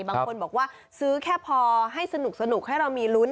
บางคนบอกว่าซื้อแค่พอให้สนุกให้เรามีลุ้น